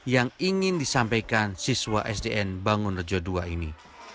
yang ingin disampaikan siswa sdn bangun rejo ii ini